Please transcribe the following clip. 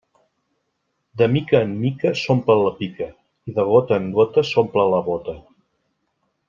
De mica en mica s'omple la pica i de gota en gota s'omple la bóta.